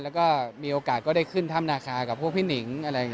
แล้วก็มีโอกาสก็ได้ขึ้นธรรมนาคากับพวกพี่หนิง